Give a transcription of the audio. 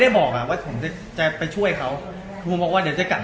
แต่ว่าผมเห็นจุดที่เป็นจุดนั้น